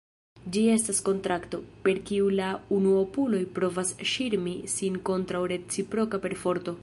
Ĝi estas kontrakto, per kiu la unuopuloj provas ŝirmi sin kontraŭ reciproka perforto.